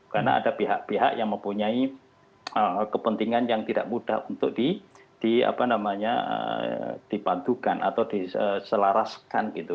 karena ada pihak pihak yang mempunyai kepentingan yang tidak mudah untuk dipandukan atau diselaraskan gitu